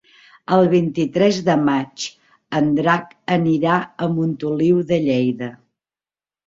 El vint-i-tres de maig en Drac anirà a Montoliu de Lleida.